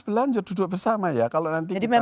berlanjut duduk bersama ya kalau nanti kita